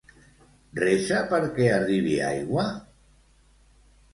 Resa perquè arribi aigua?